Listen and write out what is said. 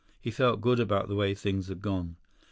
He felt good about the way things had gone.